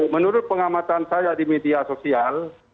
menurut pengamatan saya di media sosial